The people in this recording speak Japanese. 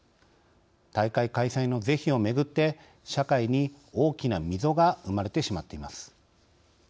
大会開催の是非をめぐって社会に大きな溝が生まれてしまっています。